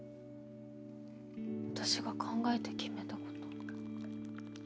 私が考えて決めたこと。